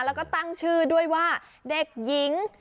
แล้วก็ตั้งชื่อด้วยว่าเด็กหญิง